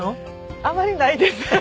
あまりないです。